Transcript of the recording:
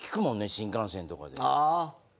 新幹線とかで。